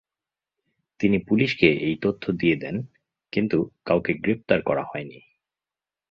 তিনি পুলিশকে এই তথ্য দিয়ে দেন, কিন্তু কাউকে গ্রেপ্তার করা হয়নি।